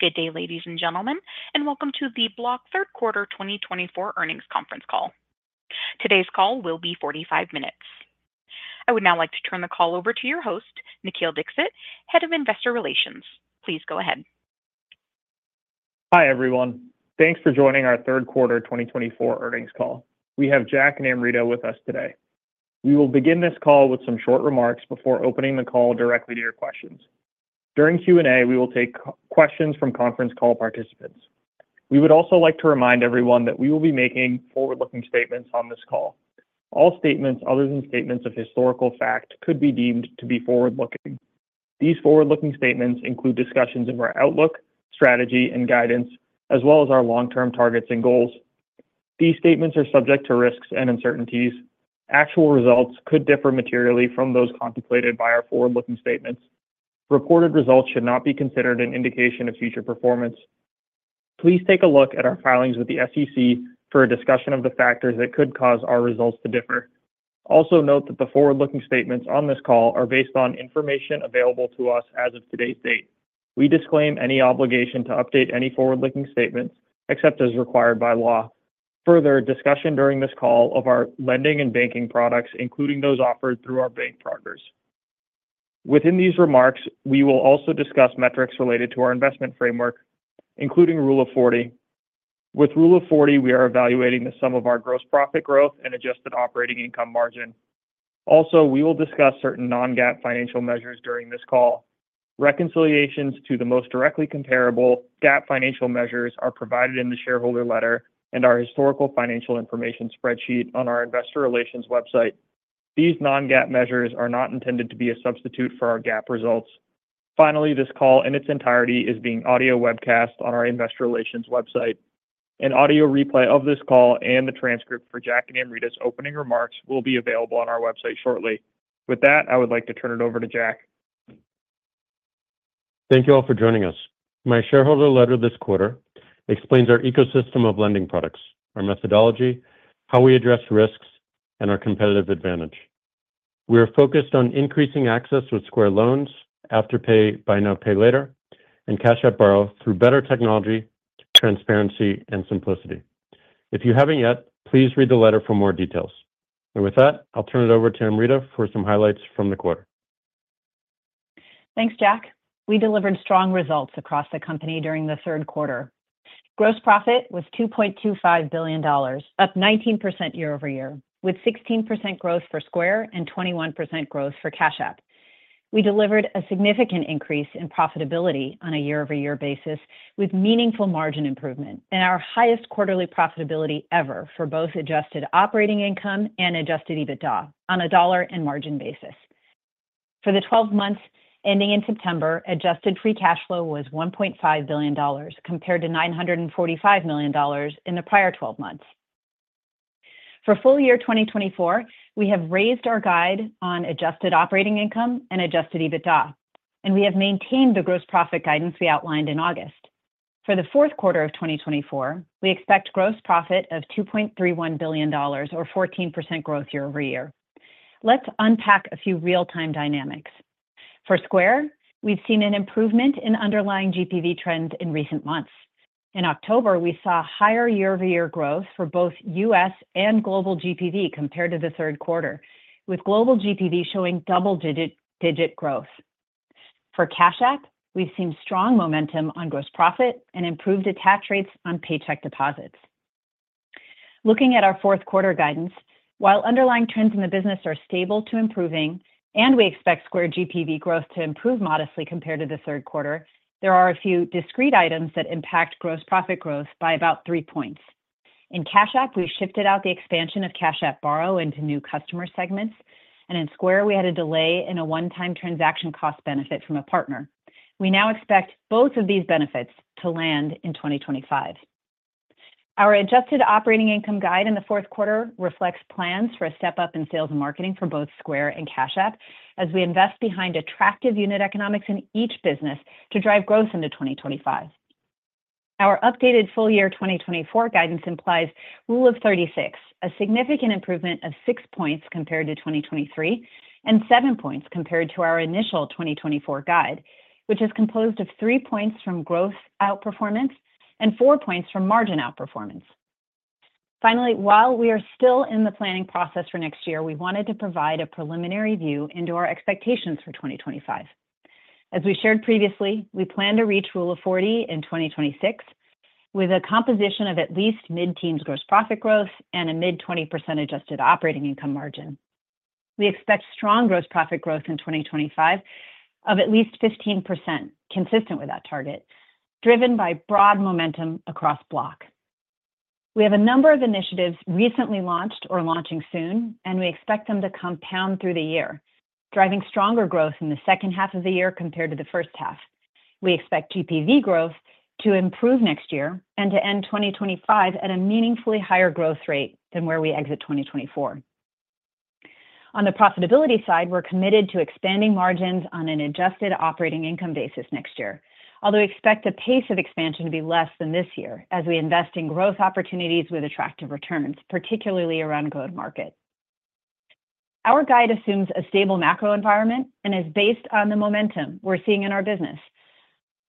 Good day, ladies and gentlemen, and welcome to the Block Third Quarter 2024 Earnings Conference Call. Today's call will be 45 minutes. I would now like to turn the call over to your host, Nikhil Dixit, Head of Investor Relations. Please go ahead. Hi, everyone. Thanks for joining our Third Quarter 2024 Earnings Call. We have Jack and Amrita with us today. We will begin this call with some short remarks before opening the all directly to your questions. During Q&A, we will take questions from conference call participants. We would also like to remind everyone that we will be making forward-looking statements on this call. All statements other than statements of historical fact could be deemed to be forward-looking. These forward-looking statements include discussions of our outlook, strategy, and guidance, as well as our long-term targets and goals. These statements are subject to risks and uncertainties. Actual results could differ materially from those contemplated by our forward-looking statements. Reported results should not be considered an indication of future performance. Please take a look at our filings with the SEC for a discussion of the factors that could cause our results to differ. Also note that the forward-looking statements on this call are based on information available to us as of today's date. We disclaim any obligation to update any forward-looking statements except as required by law. Further discussion during this call of our lending and banking products, including those offered through our bank partners. Within these remarks, we will also discuss metrics related to our investment framework, including Rule of 40. With Rule of 40, we are evaluating the sum of our gross profit growth and adjusted operating income margin. Also, we will discuss certain non-GAAP financial measures during this call. Reconciliations to the most directly comparable GAAP financial measures are provided in the shareholder letter and our historical financial information spreadsheet on our Investor Relations website. These non-GAAP measures are not intended to be a substitute for our GAAP results. Finally, this call in its entirety is being audio webcast on our Investor Relations website. An audio replay of this call and the transcript for Jack and Amrita's opening remarks will be available on our website shortly. With that, I would like to turn it over to Jack. Thank you all for joining us. My shareholder letter this quarter explains our ecosystem of lending products, our methodology, how we address risks, and our competitive advantage. We are focused on increasing access with Square Loans, Afterpay Buy Now, Pay Later, and Cash App Borrow through better technology, transparency, and simplicity. If you haven't yet, please read the letter for more details. And with that, I'll turn it over to Amrita for some highlights from the quarter. Thanks, Jack. We delivered strong results across the company during the third quarter. Gross profit was $2.25 billion, up 19% year-over-year, with 16% growth for Square and 21% growth for Cash App. We delivered a significant increase in profitability on a year-over-year basis with meaningful margin improvement and our highest quarterly profitability ever for both adjusted operating income and adjusted EBITDA on a dollar and margin basis. For the 12 months ending in September, adjusted free cash flow was $1.5 billion, compared to $945 million in the prior 12 months. For full year 2024, we have raised our guide on adjusted operating income and adjusted EBITDA, and we have maintained the gross profit guidance we outlined in August. For the fourth quarter of 2024, we expect gross profit of $2.31 billion, or 14% year-over-year. Let's unpack a few real-time dynamics. For Square, we've seen an improvement in underlying GPV trends in recent months. In October, we saw higher year-over-year growth for both U.S. and global GPV compared to the third quarter, with global GPV showing double-digit growth. For Cash App, we've seen strong momentum on gross profit and improved attach rates on paycheck deposits. Looking at our fourth quarter guidance, while underlying trends in the business are stable to improving, and we expect Square GPV growth to improve modestly compared to the third quarter, there are a few discrete items that impact gross profit growth by about three points. In Cash App, we shifted out the expansion of Cash App Borrow into new customer segments, and in Square, we had a delay in a one-time transaction cost benefit from a partner. We now expect both of these benefits to land in 2025. Our adjusted operating income guide in the fourth quarter reflects plans for a step up in sales and marketing for both Square and Cash App, as we invest behind attractive unit economics in each business to drive growth into 2025. Our updated full year 2024 guidance implies Rule of 36, a significant improvement of six points compared to 2023 and seven points compared to our initial 2024 guide, which is composed of three points from growth outperformance and four points from margin outperformance. Finally, while we are still in the planning process for next year, we wanted to provide a preliminary view into our expectations for 2025. As we shared previously, we plan to reach Rule of 40 in 2026 with a composition of at least mid-teens gross profit growth and a mid-20% adjusted operating income margin. We expect strong gross profit growth in 2025 of at least 15%, consistent with that target, driven by broad momentum across Block. We have a number of initiatives recently launched or launching soon, and we expect them to compound through the year, driving stronger growth in the second half of the year compared to the first half. We expect GPV growth to improve next year and to end 2025 at a meaningfully higher growth rate than where we exit 2024. On the profitability side, we're committed to expanding margins on an adjusted operating income basis next year, although we expect the pace of expansion to be less than this year, as we invest in growth opportunities with attractive returns, particularly around go-to-market. Our guide assumes a stable macro environment and is based on the momentum we're seeing in our business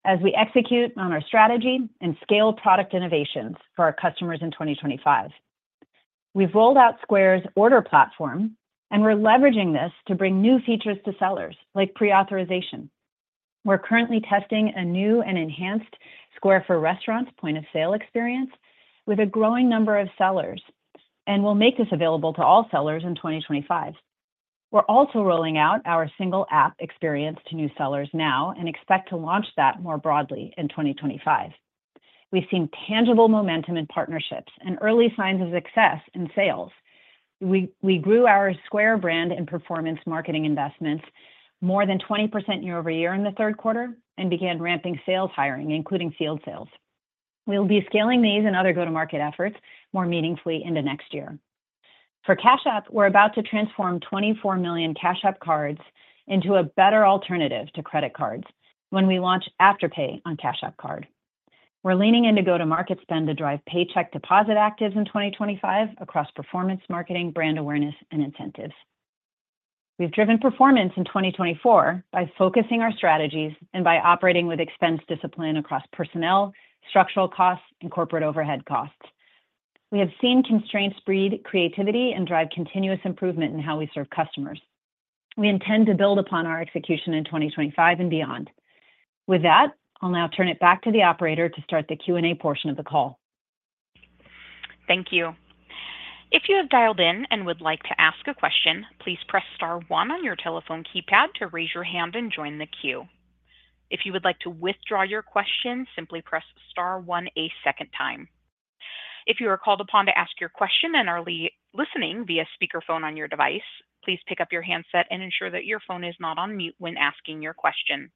as we execute on our strategy and scale product innovations for our customers in 2025. We've rolled out Square's order platform, and we're leveraging this to bring new features to sellers like pre-authorization. We're currently testing a new and enhanced Square for Restaurants point-of-sale experience with a growing number of sellers and will make this available to all sellers in 2025. We're also rolling out our single app experience to new sellers now and expect to launch that more broadly in 2025. We've seen tangible momentum in partnerships and early signs of success in sales. We grew our Square brand and performance marketing investments more than 20% year-over-year in the third quarter and began ramping sales hiring, including field sales. We'll be scaling these and other go-to-market efforts more meaningfully into next year. For Cash App, we're about to transform 24 million Cash App Cards into a better alternative to credit cards when we launch Afterpay on Cash App Card. We're leaning into go-to-market spend to drive paycheck deposit actives in 2025 across performance marketing, brand awareness, and incentives. We've driven performance in 2024 by focusing our strategies and by operating with expense discipline across personnel, structural costs, and corporate overhead costs. We have seen constraints breed creativity and drive continuous improvement in how we serve customers. We intend to build upon our execution in 2025 and beyond. With that, I'll now turn it back to the operator to start the Q&A portion of the call. Thank you. If you have dialed in and would like to ask a question, please press Star 1 on your telephone keypad to raise your hand and join the queue. If you would like to withdraw your question, simply press Star 1 a second time. If you are called upon to ask your question and are listening via speakerphone on your device, please pick up your handset and ensure that your phone is not on mute when asking your question.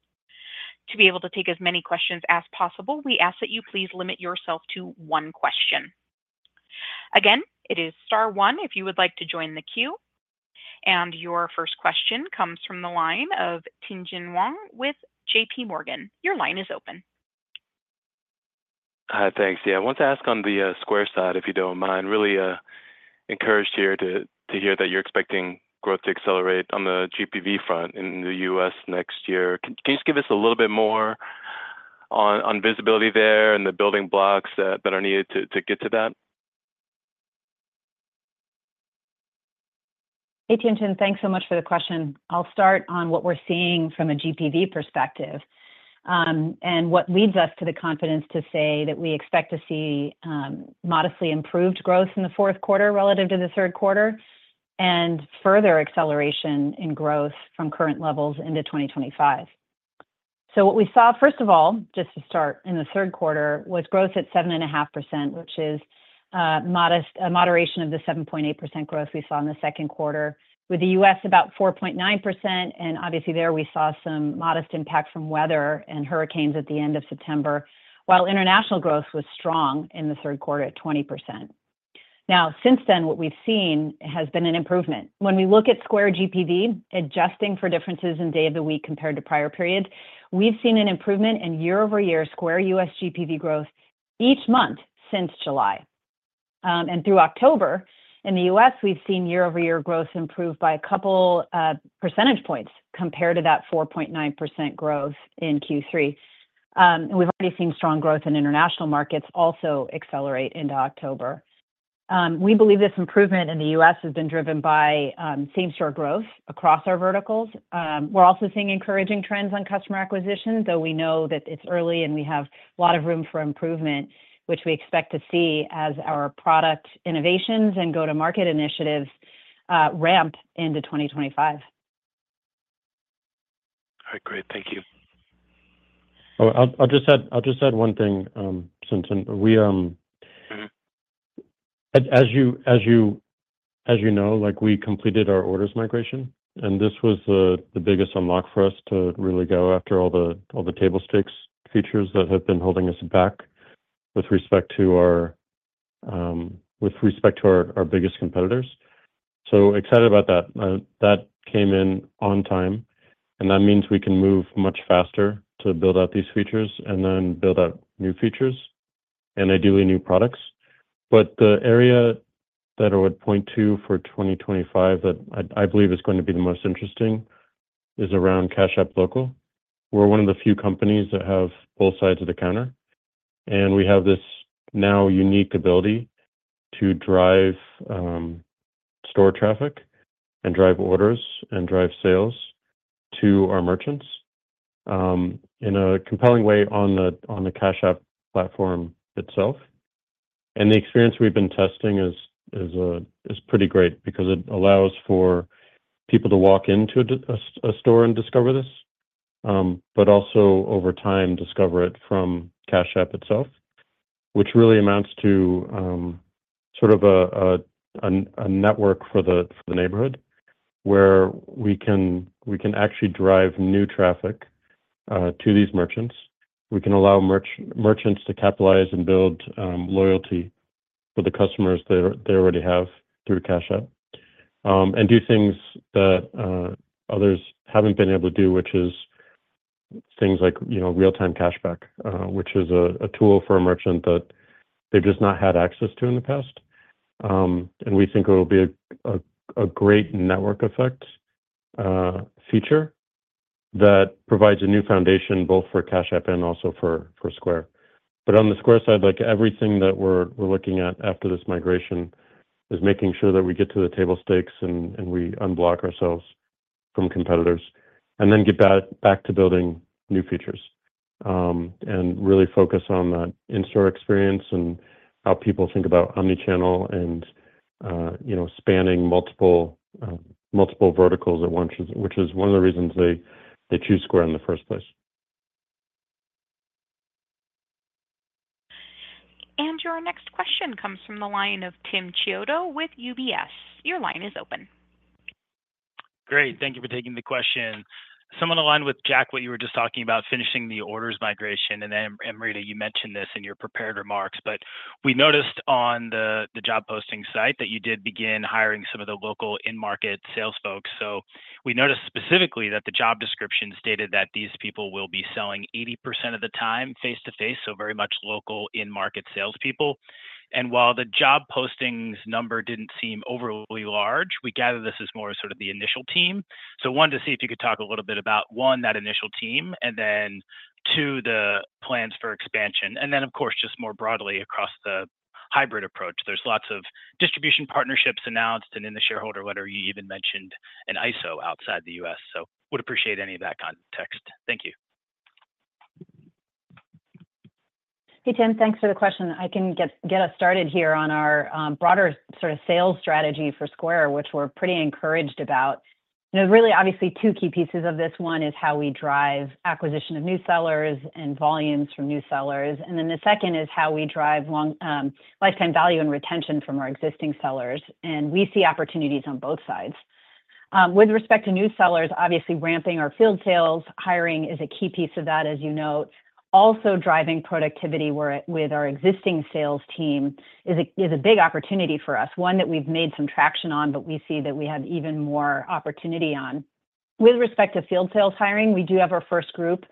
To be able to take as many questions as possible, we ask that you please limit yourself to one question. Again, it is Star 1 if you would like to join the queue. And your first question comes from the line of Tien-tsin Huang with J.P. Morgan. Your line is open. Thanks, yeah. I want to ask on the Square side, if you don't mind. Really encouraged here to hear that you're expecting growth to accelerate on the GPV front in the U.S. next year. Can you just give us a little bit more on visibility there and the building blocks that are needed to get to that? Hey, Tien-tsin Huang. Thanks so much for the question. I'll start on what we're seeing from a GPV perspective and what leads us to the confidence to say that we expect to see modestly improved growth in the fourth quarter relative to the third quarter and further acceleration in growth from current levels into 2025. So what we saw, first of all, just to start, in the third quarter was growth at 7.5%, which is a moderation of the 7.8% growth we saw in the second quarter, with the U.S. about 4.9%. And obviously, there we saw some modest impact from weather and hurricanes at the end of September, while international growth was strong in the third quarter at 20%. Now, since then, what we've seen has been an improvement. When we look at Square GPV, adjusting for differences in day of the week compared to prior periods, we've seen an improvement in year-over-year Square U.S. GPV growth each month since July, and through October, in the U.S., we've seen year-over-year growth improve by a couple percentage points compared to that 4.9% growth in Q3, and we've already seen strong growth in international markets also accelerate into October. We believe this improvement in the U.S. has been driven by same-store growth across our verticals. We're also seeing encouraging trends on customer acquisition, though we know that it's early and we have a lot of room for improvement, which we expect to see as our product innovations and go-to-market initiatives ramp into 2025. All right, great. Thank you. I'll just add one thing, since we as you know, we completed our orders migration, and this was the biggest unlock for us to really go after all the table stakes features that have been holding us back with respect to our biggest competitors. So excited about that. That came in on time, and that means we can move much faster to build out these features and then build out new features and ideally new products. But the area that I would point to for 2025 that I believe is going to be the most interesting is around Cash App Local. We're one of the few companies that have both sides of the counter, and we have this now unique ability to drive store traffic and drive orders and drive sales to our merchants in a compelling way on the Cash App platform itself. The experience we've been testing is pretty great because it allows for people to walk into a store and discover this, but also over time discover it from Cash App itself, which really amounts to sort of a network for the neighborhood where we can actually drive new traffic to these merchants. We can allow merchants to capitalize and build loyalty for the customers they already have through Cash App and do things that others haven't been able to do, which is things like real-time cashback, which is a tool for a merchant that they've just not had access to in the past. We think it will be a great network effect feature that provides a new foundation both for Cash App and also for Square. But on the Square side, everything that we're looking at after this migration is making sure that we get to the table stakes and we unblock ourselves from competitors and then get back to building new features and really focus on that in-store experience and how people think about omnichannel and spanning multiple verticals at once, which is one of the reasons they choose Square in the first place. Your next question comes from the line of Tim Chiodo with UBS. Your line is open. Great. Thank you for taking the question. Somewhat in line with, Jack, what you were just talking about, finishing the orders migration. And then, Amrita, you mentioned this in your prepared remarks, but we noticed on the job posting site that you did begin hiring some of the local in-market sales folks. So we noticed specifically that the job description stated that these people will be selling 80% of the time face-to-face, so very much local in-market salespeople. And while the job posting's number didn't seem overly large, we gather this is more sort of the initial team. So I wanted to see if you could talk a little bit about, one, that initial team, and then, two, the plans for expansion. And then, of course, just more broadly across the hybrid approach. There's lots of distribution partnerships announced, and in the shareholder letter, you even mentioned an ISO outside the U.S. So would appreciate any of that context. Thank you. Hey, Tim, thanks for the question. I can get us started here on our broader sort of sales strategy for Square, which we're pretty encouraged about. There's really, obviously, two key pieces of this. One is how we drive acquisition of new sellers and volumes from new sellers. And then the second is how we drive lifetime value and retention from our existing sellers. And we see opportunities on both sides. With respect to new sellers, obviously, ramping our field sales, hiring is a key piece of that, as you know. Also driving productivity with our existing sales team is a big opportunity for us, one that we've made some traction on, but we see that we have even more opportunity on. With respect to field sales hiring, we do have our first group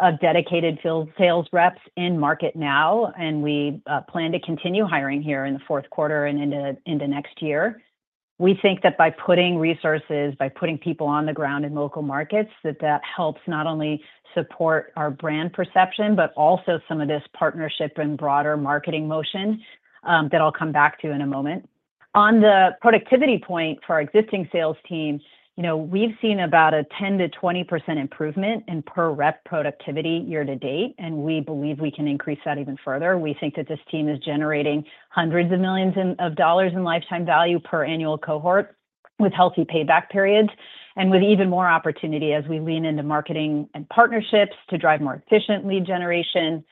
of dedicated field sales reps in market now, and we plan to continue hiring here in the fourth quarter and into next year. We think that by putting resources, by putting people on the ground in local markets, that that helps not only support our brand perception, but also some of this partnership and broader marketing motion that I'll come back to in a moment. On the productivity point for our existing sales team, we've seen about a 10%-20% improvement in per-rep productivity year to date, and we believe we can increase that even further. We think that this team is generating hundreds of millions of dollars in lifetime value per annual cohort with healthy payback periods and with even more opportunity as we lean into marketing and partnerships to drive more efficient lead generation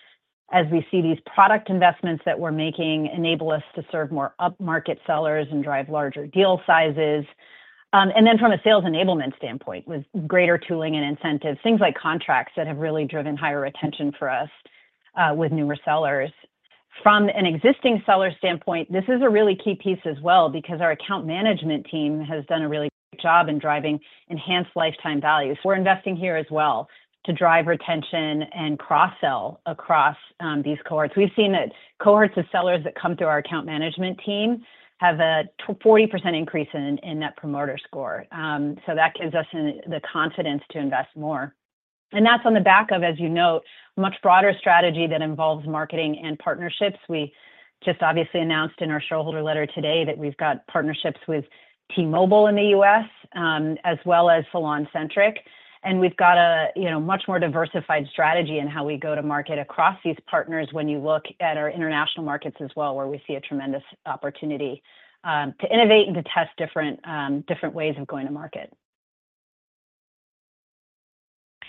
as we see these product investments that we're making enable us to serve more up-market sellers and drive larger deal sizes. And then from a sales enablement standpoint, with greater tooling and incentives, things like contracts that have really driven higher retention for us with newer sellers. From an existing seller standpoint, this is a really key piece as well because our account management team has done a really good job in driving enhanced lifetime value. So we're investing here as well to drive retention and cross-sell across these cohorts. We've seen that cohorts of sellers that come through our account management team have a 40% increase in that promoter score. So that gives us the confidence to invest more. And that's on the back of, as you note, a much broader strategy that involves marketing and partnerships. We just obviously announced in our shareholder letter today that we've got partnerships with T-Mobile in the U.S. as well as SalonCentric. And we've got a much more diversified strategy in how we go to market across these partners when you look at our international markets as well, where we see a tremendous opportunity to innovate and to test different ways of going to market.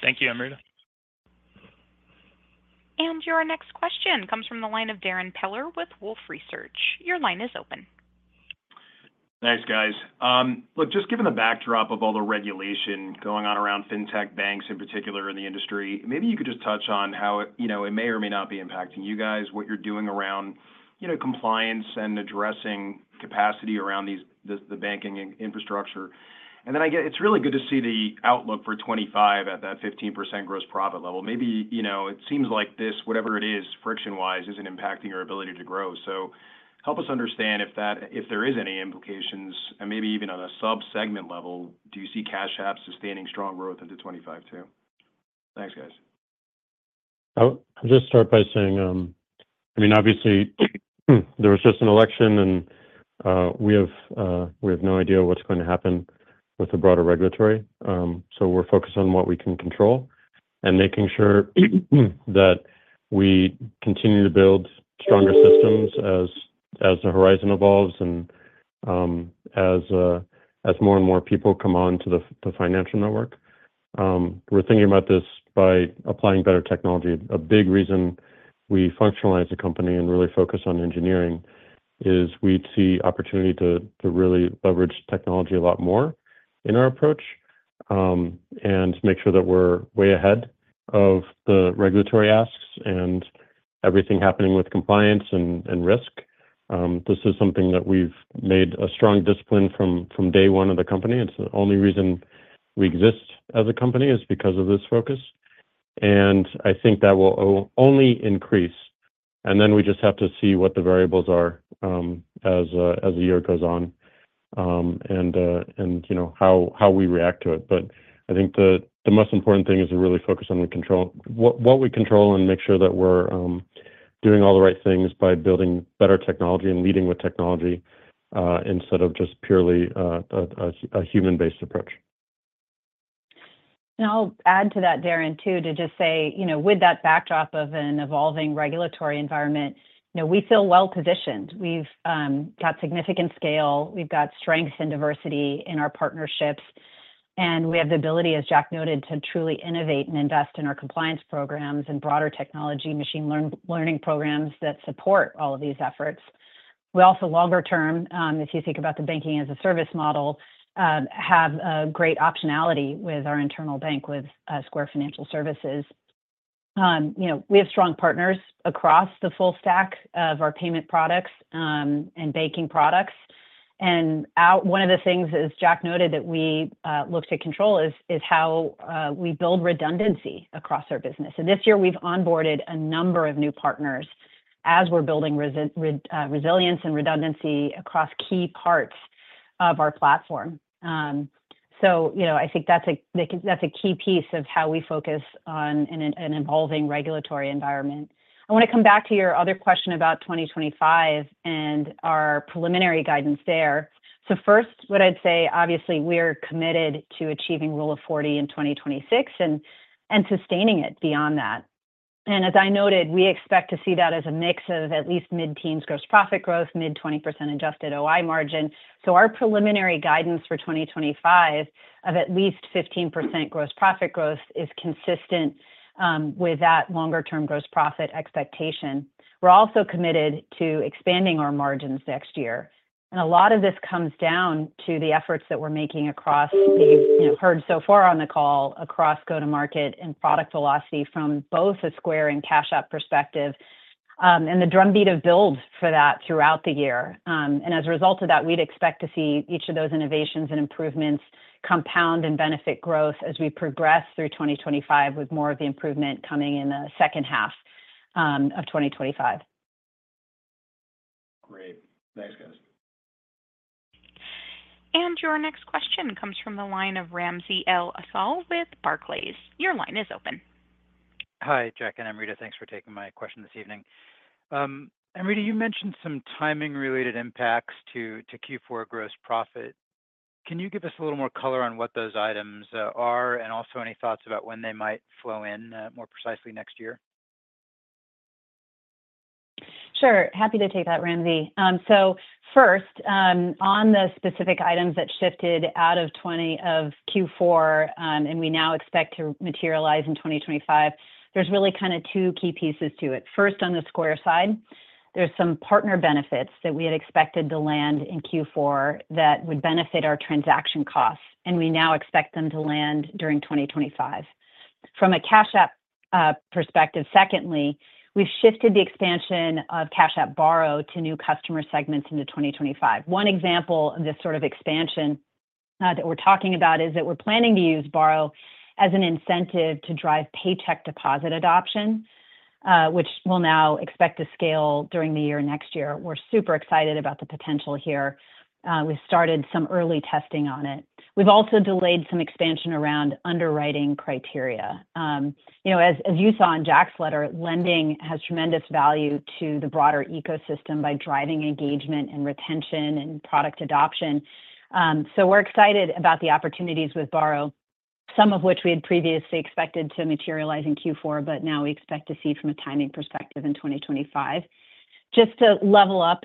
Thank you, Amrita. Your next question comes from the line of Darrin Peller with Wolfe Research. Your line is open. Thanks, guys. Look, just given the backdrop of all the regulation going on around fintech banks in particular in the industry, maybe you could just touch on how it may or may not be impacting you guys, what you're doing around compliance and addressing capacity around the banking infrastructure. And then it's really good to see the outlook for 2025 at that 15% gross profit level. Maybe it seems like this, whatever it is, friction-wise, isn't impacting your ability to grow. So help us understand if there are any implications, and maybe even on a sub-segment level, do you see Cash App sustaining strong growth into 2025 too? Thanks, guys. I'll just start by saying, I mean, obviously, there was just an election, and we have no idea what's going to happen with the broader regulatory. So we're focused on what we can control and making sure that we continue to build stronger systems as the horizon evolves and as more and more people come on to the financial network. We're thinking about this by applying better technology. A big reason we functionalize the company and really focus on engineering is we see opportunity to really leverage technology a lot more in our approach and make sure that we're way ahead of the regulatory asks and everything happening with compliance and risk. This is something that we've made a strong discipline from day one of the company. It's the only reason we exist as a company is because of this focus. And I think that will only increase. And then we just have to see what the variables are as the year goes on and how we react to it. But I think the most important thing is to really focus on what we control and make sure that we're doing all the right things by building better technology and leading with technology instead of just purely a human-based approach. And I'll add to that, Darrin, too, to just say, with that backdrop of an evolving regulatory environment, we feel well-positioned. We've got significant scale. We've got strength and diversity in our partnerships. And we have the ability, as Jack noted, to truly innovate and invest in our compliance programs and broader technology machine learning programs that support all of these efforts. We also, longer term, if you think about the banking-as-a-service model, have great optionality with our internal bank with Square Financial Services. We have strong partners across the full stack of our payment products and banking products. And one of the things, as Jack noted, that we look to control is how we build redundancy across our business. And this year, we've onboarded a number of new partners as we're building resilience and redundancy across key parts of our platform. So I think that's a key piece of how we focus on an evolving regulatory environment. I want to come back to your other question about 2025 and our preliminary guidance there. So first, what I'd say, obviously, we are committed to achieving Rule of 40 in 2026 and sustaining it beyond that. And as I noted, we expect to see that as a mix of at least mid-teens gross profit growth, mid-20% adjusted OI margin. So our preliminary guidance for 2025 of at least 15% gross profit growth is consistent with that longer-term gross profit expectation. We're also committed to expanding our margins next year. And a lot of this comes down to the efforts that we're making across the—you've heard so far on the call—across go-to-market and product velocity from both a Square and Cash App perspective and the drumbeat of builds for that throughout the year. As a result of that, we'd expect to see each of those innovations and improvements compound and benefit growth as we progress through 2025 with more of the improvement coming in the second half of 2025. Great. Thanks, guys. Your next question comes from the line of Ramsey El-Assal with Barclays. Your line is open. Hi, Jack and Amrita. Thanks for taking my question this evening. Amrita, you mentioned some timing-related impacts to Q4 gross profit. Can you give us a little more color on what those items are and also any thoughts about when they might flow in more precisely next year? Sure. Happy to take that, Ramsey. So first, on the specific items that shifted out of Q4 and we now expect to materialize in 2025, there's really kind of two key pieces to it. First, on the Square side, there's some partner benefits that we had expected to land in Q4 that would benefit our transaction costs, and we now expect them to land during 2025. From a Cash App perspective, secondly, we've shifted the expansion of Cash App Borrow to new customer segments into 2025. One example of this sort of expansion that we're talking about is that we're planning to use Borrow as an incentive to drive Paycheck Direct Deposit adoption, which we'll now expect to scale during the year next year. We're super excited about the potential here. We've started some early testing on it. We've also delayed some expansion around underwriting criteria. As you saw in Jack's letter, lending has tremendous value to the broader ecosystem by driving engagement and retention and product adoption. So we're excited about the opportunities with borrow, some of which we had previously expected to materialize in Q4, but now we expect to see from a timing perspective in 2025. Just to level up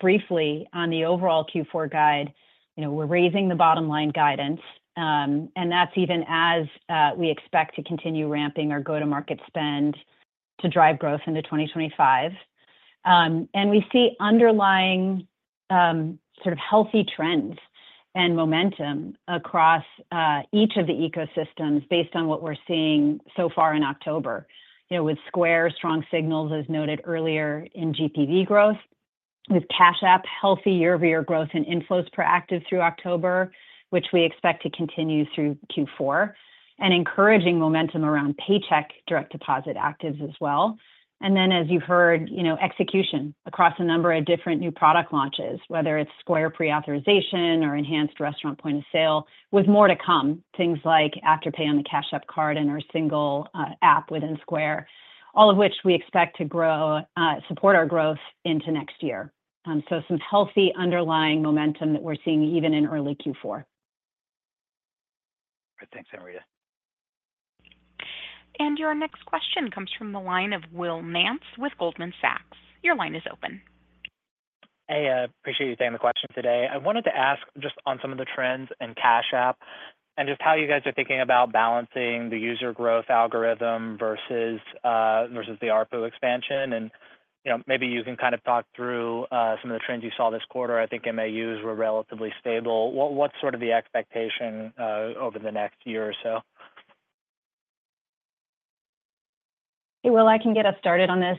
briefly on the overall Q4 guide, we're raising the bottom-line guidance, and that's even as we expect to continue ramping our go-to-market spend to drive growth into 2025. And we see underlying sort of healthy trends and momentum across each of the ecosystems based on what we're seeing so far in October, with Square strong signals, as noted earlier, in GPV growth, with Cash App healthy year-over-year growth in inflows per active through October, which we expect to continue through Q4, and encouraging momentum around paycheck direct deposit actives as well. And then, as you've heard, execution across a number of different new product launches, whether it's Square pre-authorization or enhanced restaurant point of sale, with more to come, things like Afterpay on the Cash App Card and our single app within Square, all of which we expect to support our growth into next year. So some healthy underlying momentum that we're seeing even in early Q4. Thanks, Amrita. Your next question comes from the line of Will Nance with Goldman Sachs. Your line is open. Hey, I appreciate you taking the question today. I wanted to ask just on some of the trends in Cash App and just how you guys are thinking about balancing the user growth algorithm versus the ARPU expansion. And maybe you can kind of talk through some of the trends you saw this quarter. I think MAUs were relatively stable. What's sort of the expectation over the next year or so? Hey, Will, I can get us started on this.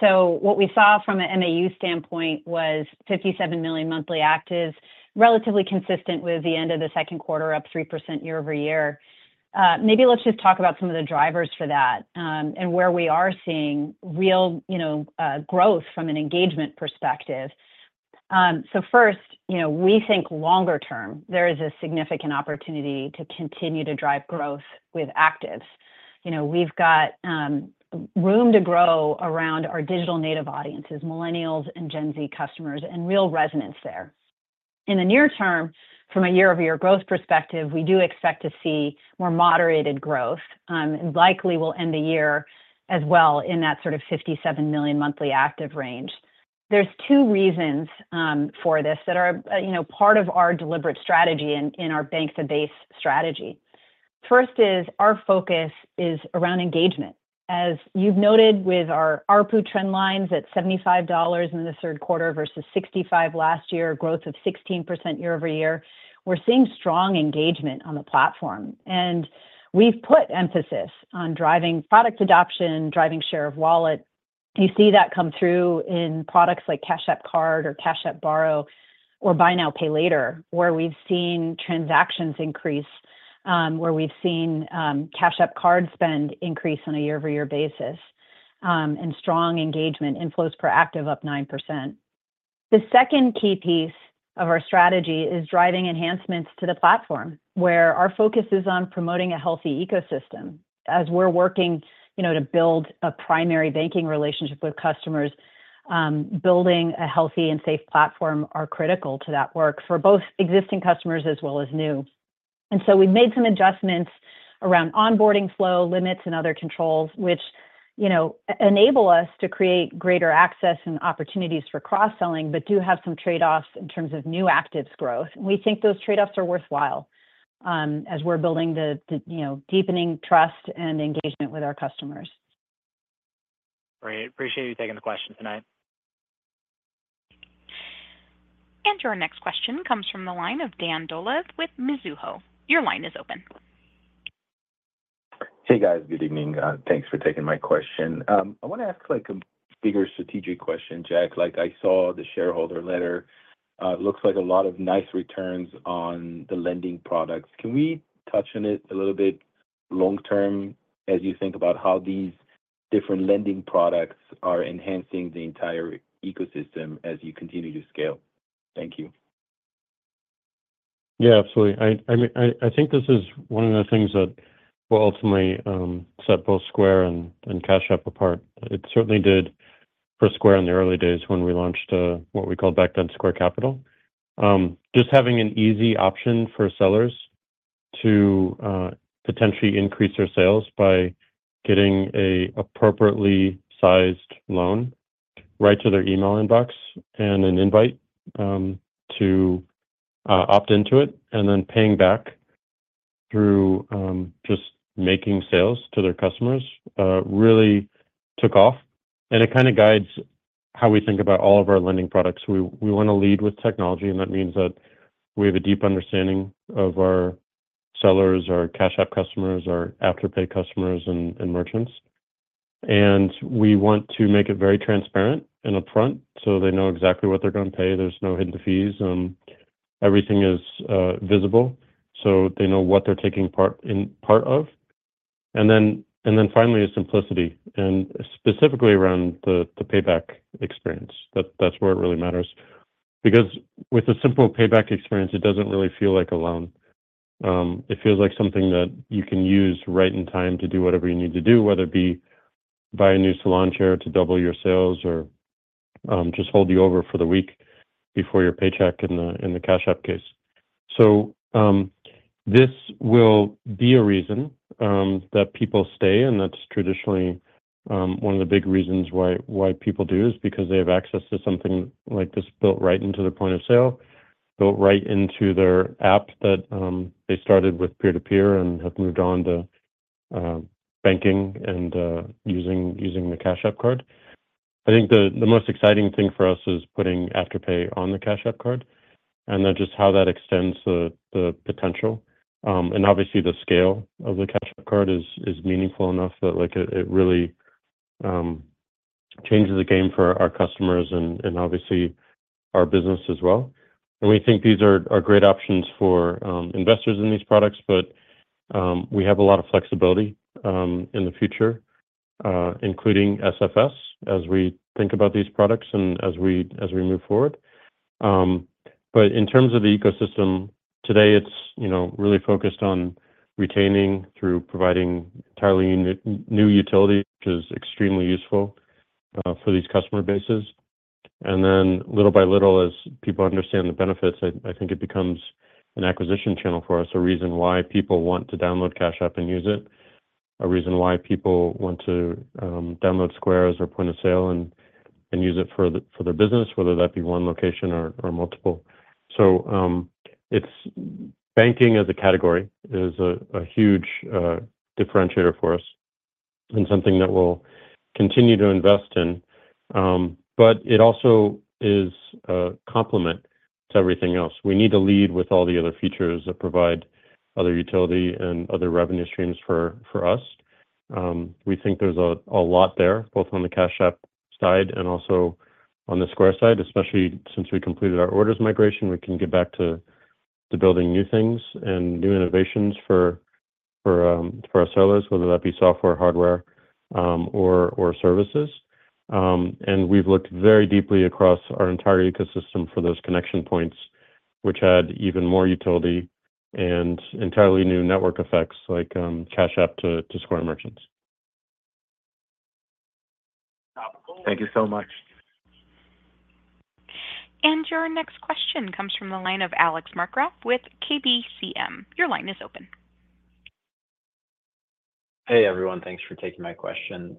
So what we saw from an MAU standpoint was 57 million monthly actives, relatively consistent with the end of the second quarter, up 3% year-over-year. Maybe let's just talk about some of the drivers for that and where we are seeing real growth from an engagement perspective. So first, we think longer-term, there is a significant opportunity to continue to drive growth with actives. We've got room to grow around our digital native audiences, millennials and Gen Z customers, and real resonance there. In the near term, from a year-over-year growth perspective, we do expect to see more moderated growth and likely will end the year as well in that sort of 57 million monthly active range. There's two reasons for this that are part of our deliberate strategy in our Bank the Base strategy. First is our focus is around engagement. As you've noted with our ARPU trend lines at $75 in the third quarter versus $65 last year, growth of 16% year-over-year, we're seeing strong engagement on the platform, and we've put emphasis on driving product adoption, driving share of wallet. You see that come through in products like Cash App Card or Cash App Borrow or buy now, pay later, where we've seen transactions increase, where we've seen Cash App Card spend increase on a year-over-year basis, and strong engagement, inflows per active, up 9%. The second key piece of our strategy is driving enhancements to the platform, where our focus is on promoting a healthy ecosystem. As we're working to build a primary banking relationship with customers, building a healthy and safe platform is critical to that work for both existing customers as well as new. We've made some adjustments around onboarding flow limits and other controls, which enable us to create greater access and opportunities for cross-selling, but do have some trade-offs in terms of new actives growth. We think those trade-offs are worthwhile as we're building the deepening trust and engagement with our customers. Great. Appreciate you taking the question tonight. Your next question comes from the line of Dan Dolev with Mizuho. Your line is open. Hey, guys. Good evening. Thanks for taking my question. I want to ask a bigger strategic question, Jack. I saw the shareholder letter. It looks like a lot of nice returns on the lending products. Can we touch on it a little bit long-term as you think about how these different lending products are enhancing the entire ecosystem as you continue to scale? Thank you. Yeah, absolutely. I think this is one of the things that will ultimately set both Square and Cash App apart. It certainly did for Square in the early days when we launched what we called back then Square Capital. Just having an easy option for sellers to potentially increase their sales by getting an appropriately sized loan right to their email inbox and an invite to opt into it, and then paying back through just making sales to their customers really took off. And it kind of guides how we think about all of our lending products. We want to lead with technology, and that means that we have a deep understanding of our sellers, our Cash App customers, our Afterpay customers, and merchants. And we want to make it very transparent and upfront so they know exactly what they're going to pay. There's no hidden fees. Everything is visible so they know what they're taking part in, part of. And then finally, simplicity, and specifically around the payback experience. That's where it really matters. Because with a simple payback experience, it doesn't really feel like a loan. It feels like something that you can use right in time to do whatever you need to do, whether it be buy a new salon chair to double your sales or just hold you over for the week before your paycheck in the Cash App case. So this will be a reason that people stay, and that's traditionally one of the big reasons why people do is because they have access to something like this built right into their point of sale, built right into their app that they started with peer-to-peer and have moved on to banking and using the Cash App Card. I think the most exciting thing for us is putting Afterpay on the Cash App Card and then just how that extends the potential, and obviously, the scale of the Cash App Card is meaningful enough that it really changes the game for our customers and obviously our business as well, and we think these are great options for investors in these products, but we have a lot of flexibility in the future, including SFS, as we think about these products and as we move forward, but in terms of the ecosystem, today, it's really focused on retaining through providing entirely new utility, which is extremely useful for these customer bases. And then little by little, as people understand the benefits, I think it becomes an acquisition channel for us, a reason why people want to download Cash App and use it, a reason why people want to download Square as their point of sale and use it for their business, whether that be one location or multiple. So banking as a category is a huge differentiator for us and something that we'll continue to invest in. But it also is a complement to everything else. We need to lead with all the other features that provide other utility and other revenue streams for us. We think there's a lot there, both on the Cash App side and also on the Square side, especially since we completed our orders migration. We can get back to building new things and new innovations for our sellers, whether that be software, hardware, or services. We've looked very deeply across our entire ecosystem for those connection points, which had even more utility and entirely new network effects like Cash App to Square merchants. Thank you so much. And your next question comes from the line of Alex Markgraff with KBCM. Your line is open. Hey, everyone. Thanks for taking my question.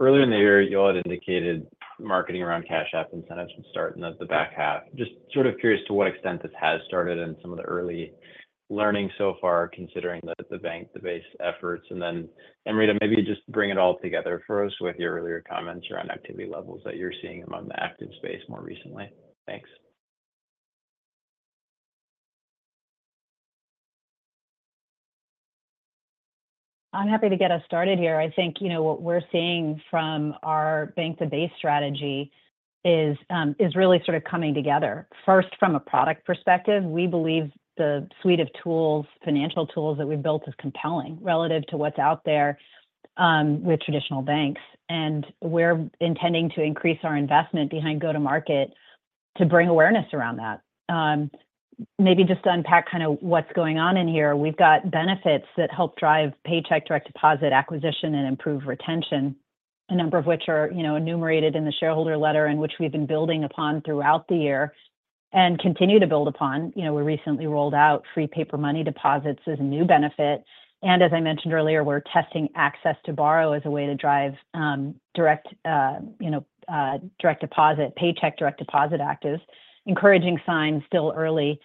Earlier in the year, y'all had indicated marketing around Cash App incentives and starting in the back half. Just sort of curious to what extent this has started and some of the early learnings so far, considering the Bank the Base efforts. And then, Amrita, maybe just bring it all together for us with your earlier comments around activity levels that you're seeing among the active space more recently. Thanks. I'm happy to get us started here. I think what we're seeing from our Bank the Base strategy is really sort of coming together. First, from a product perspective, we believe the suite of tools, financial tools that we've built is compelling relative to what's out there with traditional banks. And we're intending to increase our investment behind go-to-market to bring awareness around that. Maybe just to unpack kind of what's going on in here, we've got benefits that help drive Paycheck Direct Deposit acquisition and improve retention, a number of which are enumerated in the shareholder letter and which we've been building upon throughout the year and continue to build upon. We recently rolled out free paper money deposits as a new benefit. And as I mentioned earlier, we're testing access to borrow as a way to drive direct deposit, Paycheck Direct Deposit actives. Encouraging signs, still early.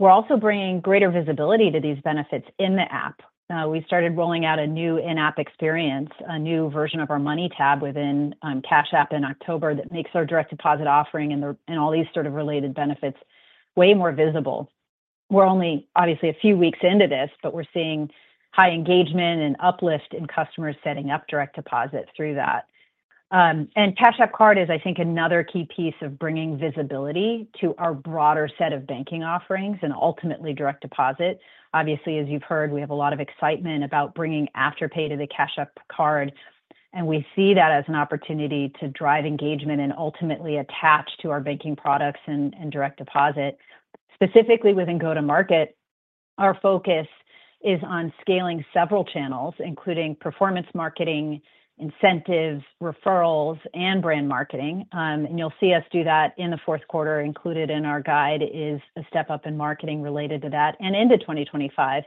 We're also bringing greater visibility to these benefits in the app. We started rolling out a new in-app experience, a new version of our Money tab within Cash App in October that makes our direct deposit offering and all these sort of related benefits way more visible. We're only, obviously, a few weeks into this, but we're seeing high engagement and uplift in customers setting up direct deposit through that, and Cash Card is, I think, another key piece of bringing visibility to our broader set of banking offerings and ultimately direct deposit. Obviously, as you've heard, we have a lot of excitement about bringing Afterpay to the Cash Card, and we see that as an opportunity to drive engagement and ultimately attach to our banking products and direct deposit. Specifically within go-to-market, our focus is on scaling several channels, including performance marketing, incentives, referrals, and brand marketing. And you'll see us do that in the fourth quarter. Included in our guide is a step up in marketing related to that and into 2025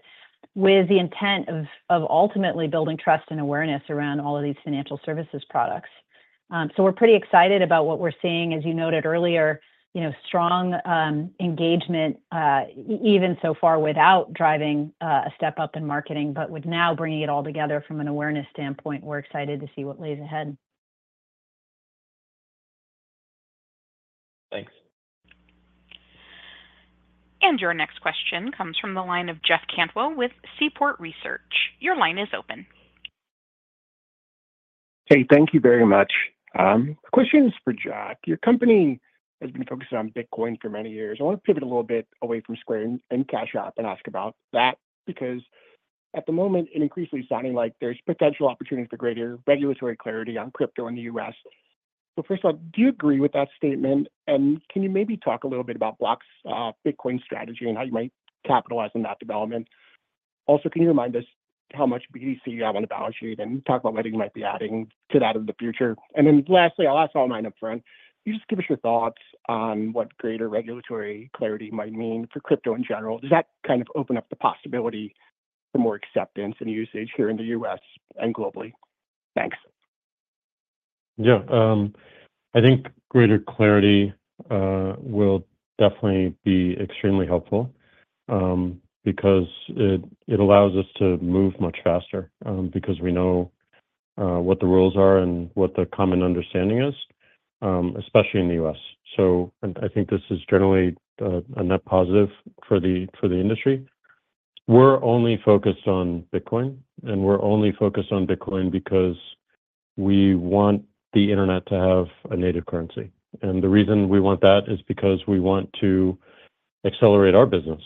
with the intent of ultimately building trust and awareness around all of these financial services products. So we're pretty excited about what we're seeing. As you noted earlier, strong engagement even so far without driving a step up in marketing, but now bringing it all together from an awareness standpoint. We're excited to see what lies ahead. Thanks. And your next question comes from the line of Jeff Cantwell with Seaport Research Partners. Your line is open. Hey, thank you very much. The question is for Jack. Your company has been focused on Bitcoin for many years. I want to pivot a little bit away from Square and Cash App and ask about that because at the moment, it increasingly is sounding like there's potential opportunity for greater regulatory clarity on crypto in the U.S. But first of all, do you agree with that statement? And can you maybe talk a little bit about Block's Bitcoin strategy and how you might capitalize on that development? Also, can you remind us how much BTC you have on the balance sheet and talk about whether you might be adding to that in the future? And then lastly, I'll ask all my upfront. You just give us your thoughts on what greater regulatory clarity might mean for crypto in general. Does that kind of open up the possibility for more acceptance and usage here in the U.S. and globally? Thanks. Yeah. I think greater clarity will definitely be extremely helpful because it allows us to move much faster because we know what the rules are and what the common understanding is, especially in the U.S. So I think this is generally a net positive for the industry. We're only focused on Bitcoin, and we're only focused on Bitcoin because we want the internet to have a native currency. And the reason we want that is because we want to accelerate our business.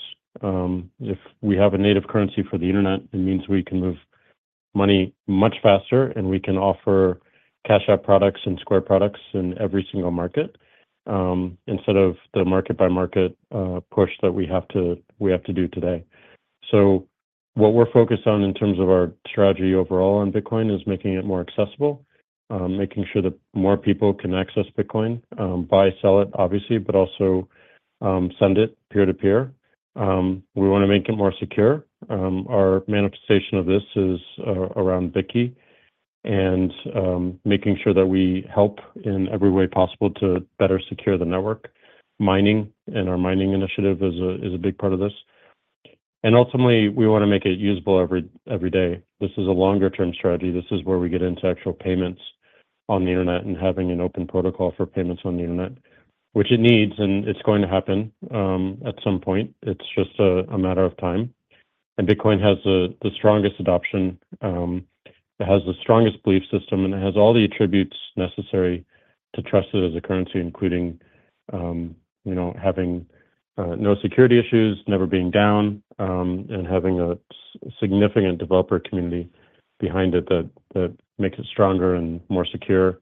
If we have a native currency for the internet, it means we can move money much faster, and we can offer Cash App products and Square products in every single market instead of the market-by-market push that we have to do today. What we're focused on in terms of our strategy overall on Bitcoin is making it more accessible, making sure that more people can access Bitcoin, buy, sell it, obviously, but also send it peer-to-peer. We want to make it more secure. Our manifestation of this is around Bitkey and making sure that we help in every way possible to better secure the network. Mining and our mining initiative is a big part of this. Ultimately, we want to make it usable every day. This is a longer-term strategy. This is where we get into actual payments on the internet and having an open protocol for payments on the internet, which it needs, and it's going to happen at some point. It's just a matter of time. Bitcoin has the strongest adoption. It has the strongest belief system, and it has all the attributes necessary to trust it as a currency, including having no security issues, never being down, and having a significant developer community behind it that makes it stronger and more secure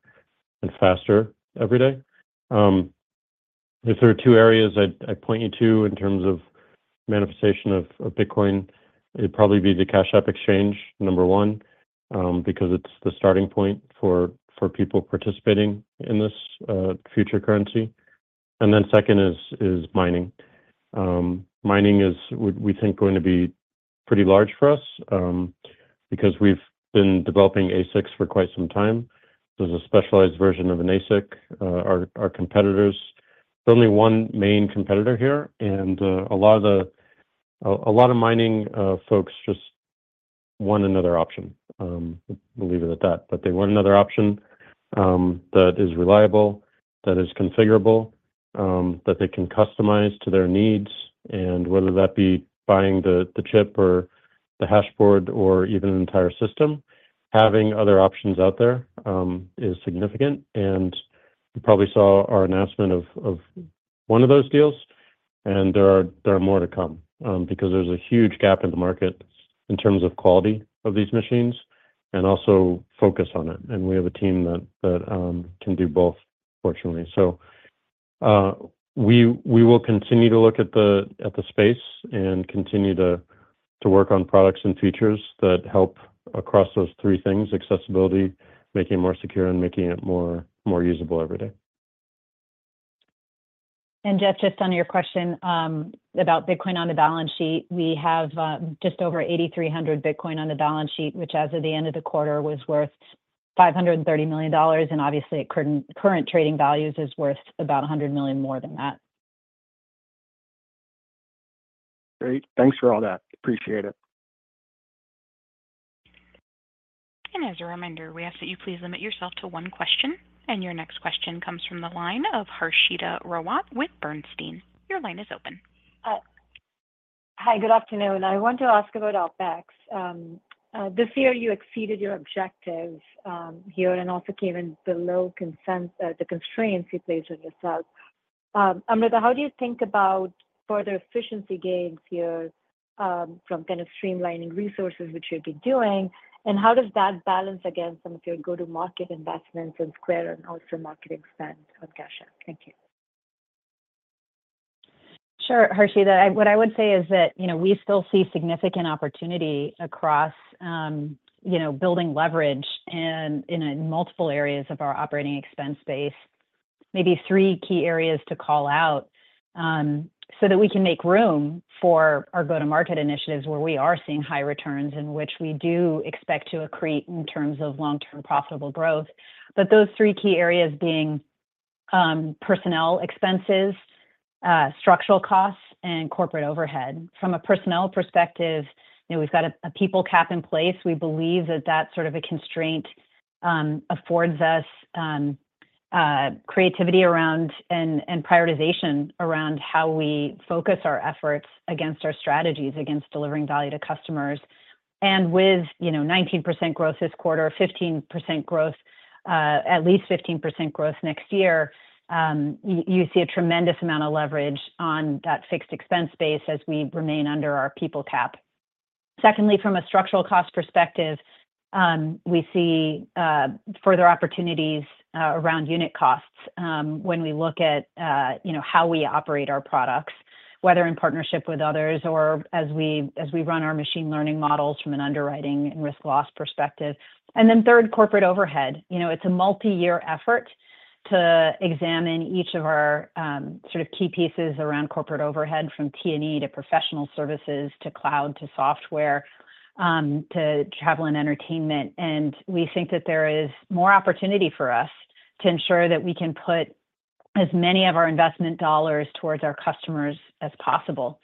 and faster every day. If there are two areas I point you to in terms of manifestation of Bitcoin, it'd probably be the Cash App exchange, number one, because it's the starting point for people participating in this future currency. Then second is mining. Mining is, we think, going to be pretty large for us because we've been developing ASICs for quite some time. There's a specialized version of an ASIC. Our competitors are only one main competitor here, and a lot of mining folks just want another option. We'll leave it at that, but they want another option that is reliable, that is configurable, that they can customize to their needs. And whether that be buying the chip or the hashboard or even an entire system, having other options out there is significant. And you probably saw our announcement of one of those deals, and there are more to come because there's a huge gap in the market in terms of quality of these machines and also focus on it. And we have a team that can do both, fortunately. So we will continue to look at the space and continue to work on products and features that help across those three things: accessibility, making it more secure, and making it more usable every day. Jeff, just on your question about Bitcoin on the balance sheet, we have just over 8,300 Bitcoin on the balance sheet, which as of the end of the quarter was worth $530 million. Obviously, at current trading values, it's worth about $100 million more than that. Great. Thanks for all that. Appreciate it. As a reminder, we ask that you please limit yourself to one question. And your next question comes from the line of Harshita Rawat with Bernstein. Your line is open. Hi, good afternoon. I want to ask about OpEx. This year, you exceeded your objectives here and also came in below the constraints you placed on yourself. Amrita, how do you think about further efficiency gains here from kind of streamlining resources, which you've been doing? And how does that balance against some of your go-to-market investments in Square and also marketing spend on Cash App? Thank you. Sure, Harshita. What I would say is that we still see significant opportunity across building leverage in multiple areas of our operating expense base, maybe three key areas to call out so that we can make room for our go-to-market initiatives where we are seeing high returns and which we do expect to accrete in terms of long-term profitable growth, but those three key areas being personnel expenses, structural costs, and corporate overhead. From a personnel perspective, we've got a people cap in place. We believe that that sort of a constraint affords us creativity around and prioritization around how we focus our efforts against our strategies, against delivering value to customers, and with 19% growth this quarter, 15% growth, at least 15% growth next year, you see a tremendous amount of leverage on that fixed expense base as we remain under our people cap. Secondly, from a structural cost perspective, we see further opportunities around unit costs when we look at how we operate our products, whether in partnership with others or as we run our machine learning models from an underwriting and risk loss perspective. And then third, corporate overhead. It's a multi-year effort to examine each of our sort of key pieces around corporate overhead from T&E to professional services to cloud to software to travel and entertainment. And we think that there is more opportunity for us to ensure that we can put as many of our investment dollars towards our customers as possible.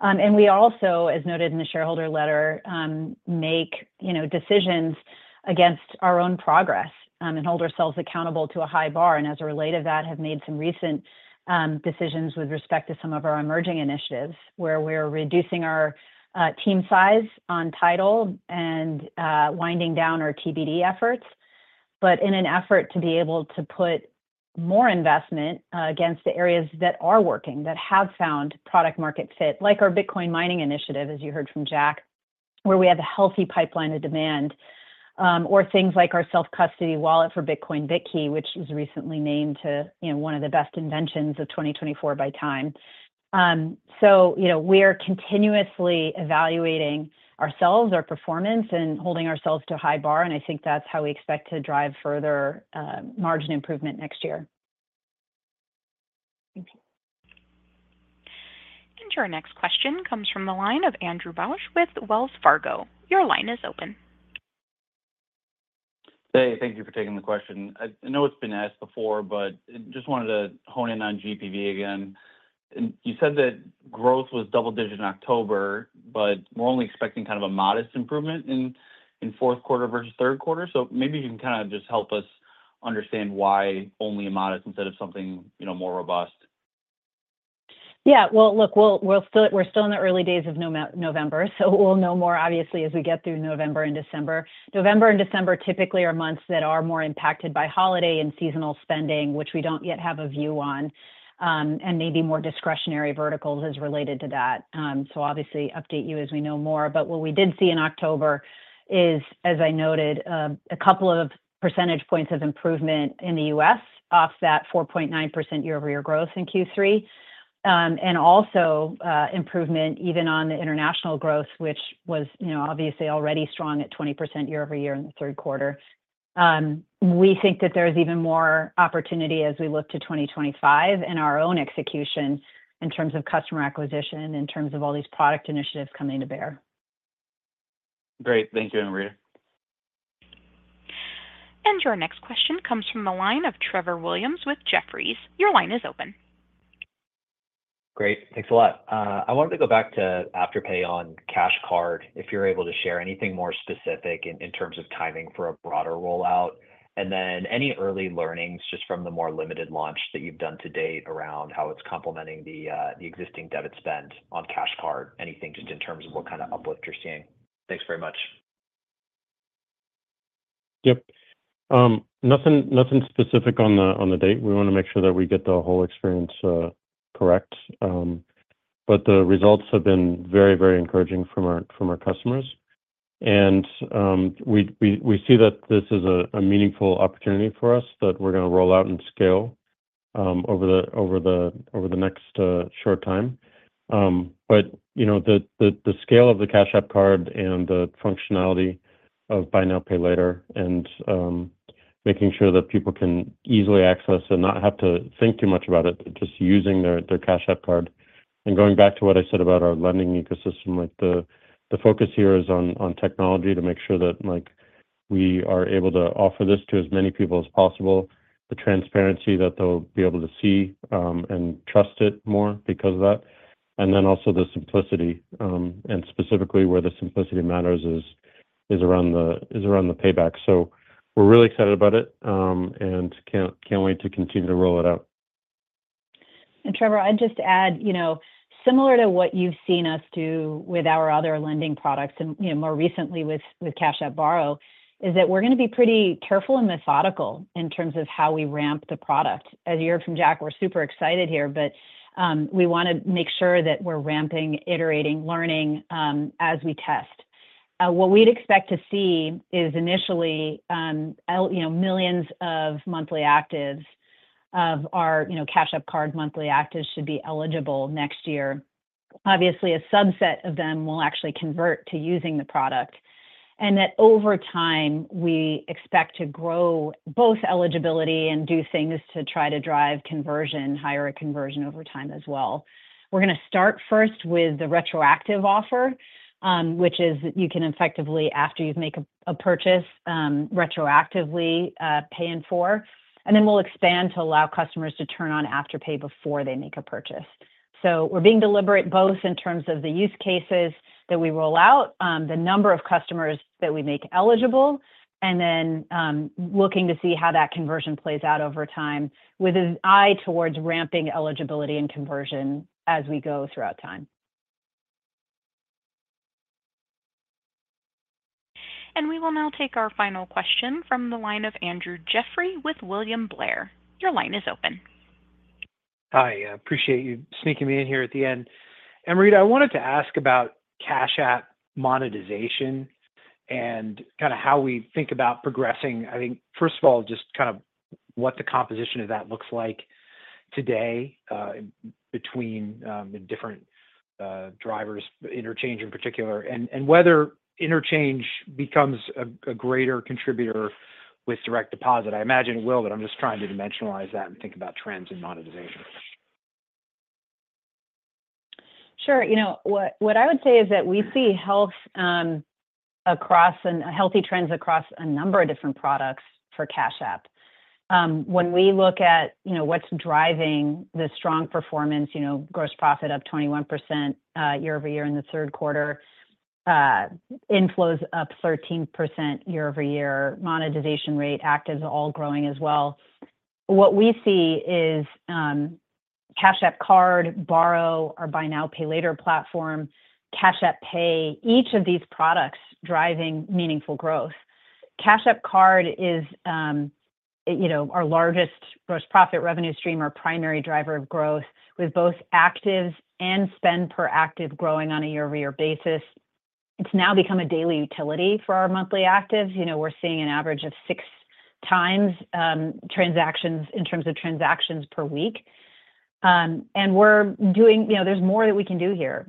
And we also, as noted in the shareholder letter, make decisions against our own progress and hold ourselves accountable to a high bar. And as a result of that, we have made some recent decisions with respect to some of our emerging initiatives where we're reducing our team size on TIDAL and winding down our TBD efforts. But in an effort to be able to put more investment against the areas that are working, that have found product-market fit, like our Bitcoin mining initiative, as you heard from Jack, where we have a healthy pipeline of demand, or things like our self-custody wallet for Bitcoin, Bitkey, which was recently named one of the best inventions of 2024 by TIME. So we are continuously evaluating ourselves, our performance, and holding ourselves to a high bar. And I think that's how we expect to drive further margin improvement next year. Your next question comes from the line of Andrew Bauch with Wells Fargo. Your line is open. Hey, thank you for taking the question. I know it's been asked before, but just wanted to hone in on GPV again. You said that growth was double-digit in October, but we're only expecting kind of a modest improvement in fourth quarter versus third quarter. So maybe you can kind of just help us understand why only a modest instead of something more robust. Yeah. Well, look, we're still in the early days of November, so we'll know more, obviously, as we get through November and December. November and December typically are months that are more impacted by holiday and seasonal spending, which we don't yet have a view on, and maybe more discretionary verticals as related to that. So obviously, update you as we know more. But what we did see in October is, as I noted, a couple of percentage points of improvement in the U.S. off that 4.9% year-over-year growth in Q3, and also improvement even on the international growth, which was obviously already strong at 20% year-over-year in the third quarter. We think that there's even more opportunity as we look to 2025 and our own execution in terms of customer acquisition, in terms of all these product initiatives coming to bear. Great. Thank you, Amrita. Your next question comes from the line of Trevor Williams with Jefferies. Your line is open. Great. Thanks a lot. I wanted to go back to Afterpay on Cash Card, if you're able to share anything more specific in terms of timing for a broader rollout, and then any early learnings just from the more limited launch that you've done to date around how it's complementing the existing debit spend on Cash Card, anything just in terms of what kind of uplift you're seeing? Thanks very much. Yep. Nothing specific on the date. We want to make sure that we get the whole experience correct. But the results have been very, very encouraging from our customers. And we see that this is a meaningful opportunity for us that we're going to roll out and scale over the next short time. But the scale of the Cash App Card and the functionality of Buy Now, Pay Later, and making sure that people can easily access and not have to think too much about it, just using their Cash App Card. And going back to what I said about our lending ecosystem, the focus here is on technology to make sure that we are able to offer this to as many people as possible, the transparency that they'll be able to see and trust it more because of that. And then also the simplicity. Specifically, where the simplicity matters is around the payback. We're really excited about it and can't wait to continue to roll it out. And, Trevor, I'd just add, similar to what you've seen us do with our other lending products and more recently with Cash App Borrow, is that we're going to be pretty careful and methodical in terms of how we ramp the product. As you heard from Jack, we're super excited here, but we want to make sure that we're ramping, iterating, learning as we test. What we'd expect to see is initially millions of monthly actives of our Cash App Card monthly actives should be eligible next year. Obviously, a subset of them will actually convert to using the product. And that over time, we expect to grow both eligibility and do things to try to drive conversion, higher conversion over time as well. We're going to start first with the retroactive offer, which is you can effectively, after you make a purchase, retroactively Pay in 4. And then we'll expand to allow customers to turn on Afterpay before they make a purchase. So we're being deliberate both in terms of the use cases that we roll out, the number of customers that we make eligible, and then looking to see how that conversion plays out over time with an eye towards ramping eligibility and conversion as we go throughout time. We will now take our final question from the line of Andrew Jeffrey with William Blair. Your line is open. Hi. Appreciate you sneaking me in here at the end. Amrita, I wanted to ask about Cash App monetization and kind of how we think about progressing. I think, first of all, just kind of what the composition of that looks like today between different drivers, interchange in particular, and whether interchange becomes a greater contributor with direct deposit. I imagine it will, but I'm just trying to dimensionalize that and think about trends in monetization. Sure. What I would say is that we see healthy trends across a number of different products for Cash App. When we look at what's driving the strong performance, gross profit up 21% year-over-year in the third quarter, inflows up 13% year-over-year, monetization rate, actives all growing as well. What we see is Cash App Card, Borrow, our Buy Now, Pay Later platform, Cash App Pay, each of these products driving meaningful growth. Cash App Card is our largest gross profit revenue stream, our primary driver of growth, with both actives and spend per active growing on a year-over-year basis. It's now become a daily utility for our monthly actives. We're seeing an average of six times transactions in terms of transactions per week. There's more that we can do here,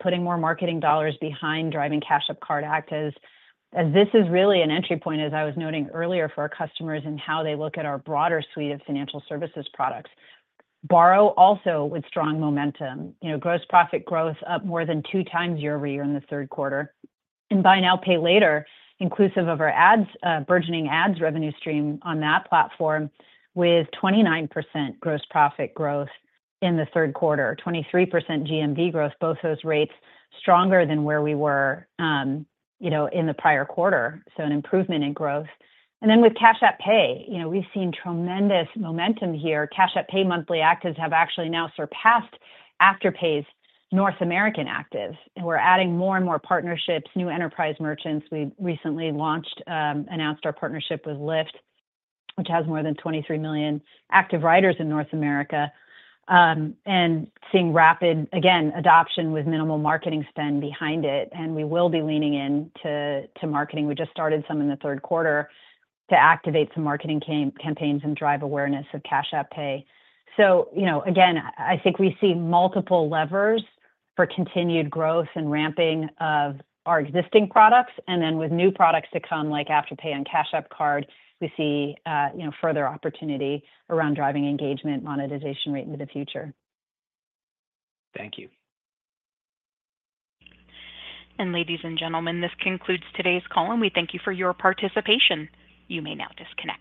putting more marketing dollars behind driving Cash App Card actives, as this is really an entry point, as I was noting earlier, for our customers and how they look at our broader suite of financial services products. Borrow also with strong momentum, gross profit growth up more than two times year-over-year in the third quarter. Buy now, pay later, inclusive of our burgeoning ads revenue stream on that platform, with 29% gross profit growth in the third quarter, 23% GMV growth, both those rates stronger than where we were in the prior quarter, so an improvement in growth. Then with Cash App Pay, we've seen tremendous momentum here. Cash App Pay monthly actives have actually now surpassed Afterpay's North American actives. We're adding more and more partnerships, new enterprise merchants. We recently announced our partnership with Lyft, which has more than 23 million active riders in North America, and seeing rapid, again, adoption with minimal marketing spend behind it. And we will be leaning into marketing. We just started some in the third quarter to activate some marketing campaigns and drive awareness of Cash App Pay. So again, I think we see multiple levers for continued growth and ramping of our existing products. And then with new products to come like Afterpay and Cash App Card, we see further opportunity around driving engagement, monetization rate into the future. Thank you. Ladies and gentlemen, this concludes today's call, and we thank you for your participation. You may now disconnect.